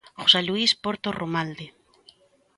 José Luís Porto Romalde.